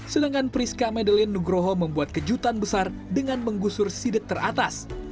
sedangkan priska medelin nugroho membuat kejutan besar dengan menggusur sidek teratas